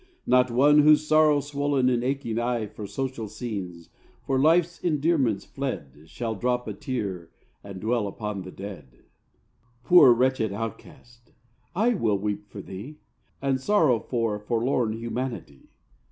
Not one whose sorrow swoln and aching eye For social scenes, for life's endearments fled, Shall drop a tear and dwell upon the dead! Poor wretched Outcast! I will weep for thee, And sorrow for forlorn humanity.